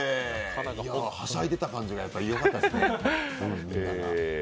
はしゃいでいた感じがよかったですね。